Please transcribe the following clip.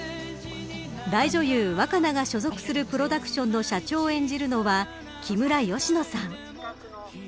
大女優、若菜が所属するプロダクションの社長を演じるのは木村佳乃さん。